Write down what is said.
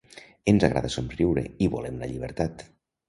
Ens agrada somriure i volem la llibertat!